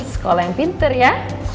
sekolah yang bintar ya